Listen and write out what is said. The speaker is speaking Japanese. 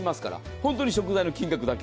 本当に食材の金額だけ。